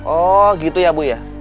oh gitu ya bu